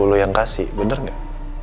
lu yang kasih bener nggak